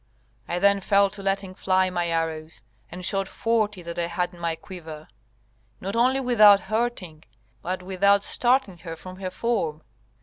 I then fell to letting fly my arrows, and shot forty that I had in my quiver, not only without hurting, but without starting her from her form.